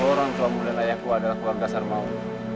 orang suamu dan ayahku adalah keluarga sarmawi